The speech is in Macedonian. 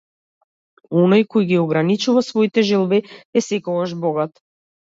Оној кој ги ограничува своите желби е секогаш богат.